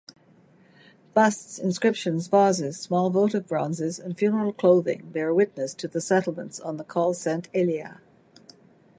Busts, inscriptions, vases, small votive bronzes and funeral clothing bear witness to the settlements on the Col Sant’Elia.